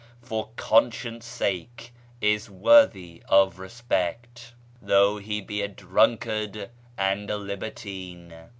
for conscience sake is worthy of respect, though he be a drunkard and a libertine.